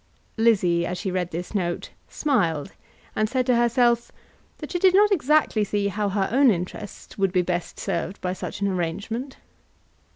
Lizzie as she read this note smiled, and said to herself that she did not exactly see how her own interests would be best served by such an arrangement.